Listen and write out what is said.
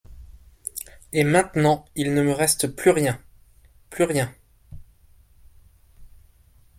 Et maintenant il ne me reste plus rien, plus rien.